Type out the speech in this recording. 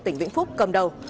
tỉnh vĩnh phúc cầm đầu